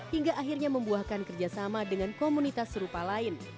hingga akhirnya membuahkan kerjasama dengan komunitas serupa lain